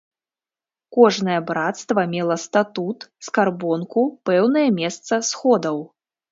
Кожнае брацтва мела статут, скарбонку, пэўнае месца сходаў.